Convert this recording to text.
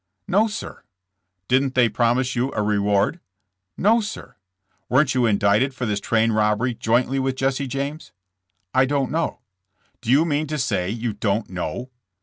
"No, sir." "Didn't they promise you a reward?" "No, sir." "Weren't you indicted for this train robbery jointly with Jesse James?" "I don't know." "Do you mean to say you don't know?"